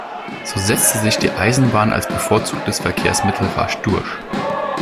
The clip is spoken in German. So setzte sich die Eisenbahn als bevorzugtes Verkehrsmittel rasch durch.